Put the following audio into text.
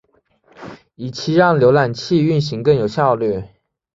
以期让浏览器运行更有效率。